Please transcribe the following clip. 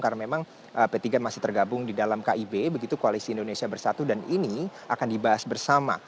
karena memang p tiga masih tergabung di dalam kib begitu koalisi indonesia bersatu dan ini akan dibahas bersama